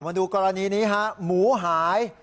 มาดูกรณีนี้ฮะหมูหาย